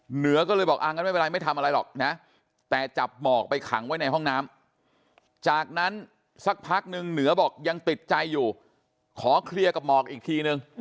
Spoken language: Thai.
เหนือก็เลยบอกอ่างั้นไม่เป็นไรไม่ทำอะไรหรอกนะแต่จับหมอกไปขังไว้ในห้องน้ำจากนั้นสักพักนึงเหนือบอกยังติดใจอยู่ขอเคลียร์กับหมอกอีกทีนึง